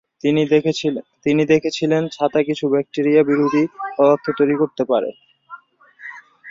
তিনি দেখেছিলেন ছাতা কিছু ব্যাক্টেরিয়া বিরোধী পদার্থ তৈরি করতে পারে।